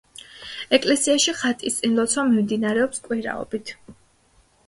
ეკლესიაში ხატის წინ ლოცვა მიმდინარეობს კვირაობით.